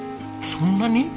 そんなに？